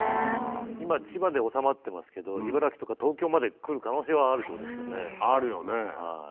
今、千葉で収まっていますけれども、茨城とか東京まで来る可能性はああるよね。